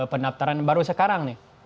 pendaftaran baru sekarang nih